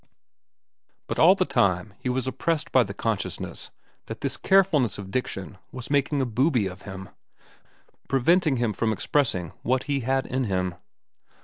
But all the time he was oppressed by the consciousness that this carefulness of diction was making a booby of him, preventing him from expressing what he had in him.